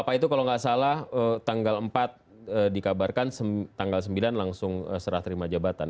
bapak itu kalau nggak salah tanggal empat dikabarkan tanggal sembilan langsung serah terima jabatan